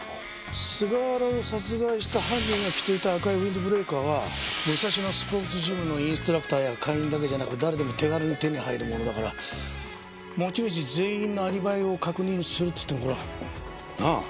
菅原を殺害した犯人が着ていた赤いウィンドブレーカーは武蔵野スポーツジムのインストラクターや会員だけじゃなく誰でも手軽に手に入るものだから持ち主全員のアリバイを確認するっつってもこれはなあ。